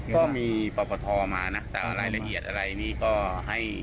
ก็มีปปทมานะแต่รายละเอียดอะไรนี่ก็ให้